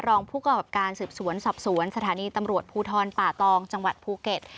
รองผู้กำกับการสืบสวนสอบสวนสถานีตำรวจภูทรป่าตองจังหวัดภูเก็ต